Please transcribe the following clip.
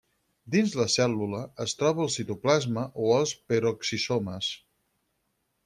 Dins la cèl·lula es troba al citoplasma o als peroxisomes.